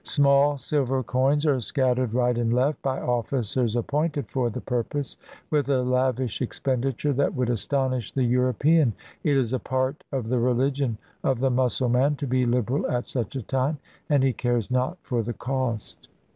Small silver coins are scattered right and left by ofhcers appointed for the purpose, with a lavish expenditure that would astonish the European. It is a part of the religion of the Mussul man to be Uberal at such a time, and he cares not for the cost.